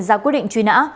ra quyết định duy nã